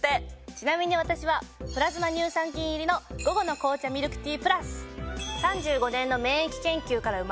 ちなみに私はプラズマ乳酸菌入りの午後の紅茶ミルクティープラス。